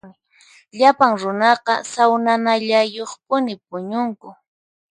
Llapan runaqa sawnanallayuqpuni puñunku.